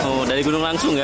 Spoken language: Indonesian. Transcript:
oh dari gunung langsung ya